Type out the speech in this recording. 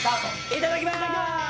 いただきます。